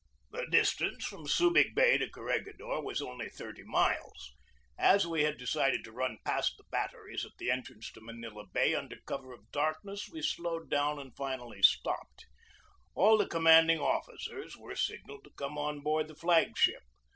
The distance from Subig Bay to Corregidor was only thirty miles. As we had decided to run past the batteries at the entrance to Manila Bay un der cover of darkness, we slowed down and finally 206 GEORGE DEWEY stopped. All the commanding officers were signalled to come on board the flag ship.